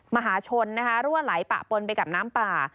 มหาชนนะคะรั่วไหลปะปนไปกับน้ำป่า